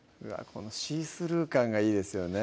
このシースルー感がいいですよね